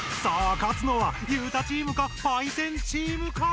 勝つのは裕太チームかパイセンチームか！？